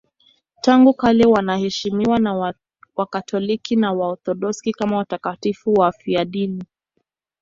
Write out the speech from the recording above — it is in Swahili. Tangu kale wanaheshimiwa na Wakatoliki na Waorthodoksi kama watakatifu wafiadini.